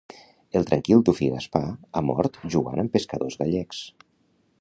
El tranquil dofí Gaspar ha mort jugant amb pescadors gallecs.